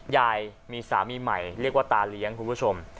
ยายมีสามีใหม่เรียกว่าตาเลี้ยงคุณผู้ชม